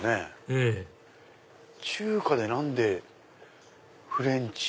ええ中華で何でフレンチ？